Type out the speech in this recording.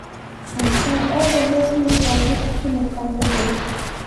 ہنچھا ایہہ گلاں دیاں، شازیہ اکھی مٹکائی تے بولی